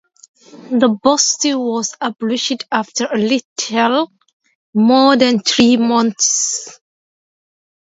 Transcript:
The post was abolished after a little more than three months.